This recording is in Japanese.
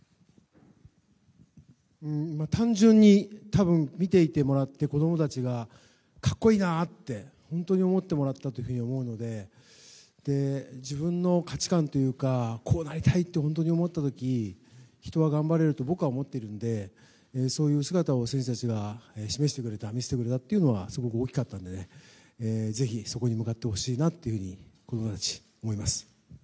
単純に、多分見ていてもらって子供たちが、格好いいなって本当に思ってもらったと思うので自分の価値観というかこうなりたいって本当に思った時、人は頑張れると僕は思っているのでそういう姿を選手たちは示してくれた見せてくれたっていうのはすごく大きかったのでぜひそこに向かってほしいなと子供たちに、思います。